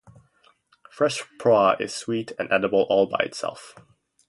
Fresh poi is sweet and edible all by itself.